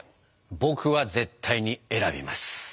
僕は絶対に選びます！